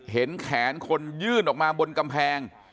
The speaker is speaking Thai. เห็นแขนคนยื่นออกมาบนกำแพง